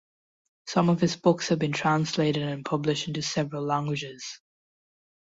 Some of his books have been translated and published into several languages.